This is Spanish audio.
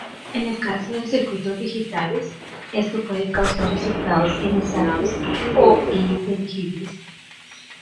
En el caso de circuitos digitales, esto puede causar resultados inexactos o ininteligibles.